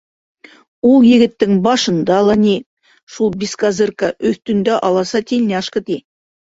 Ул егеттең башында ла, ни, шул бескозырка, өҫтөндә аласа тельняшка, ти.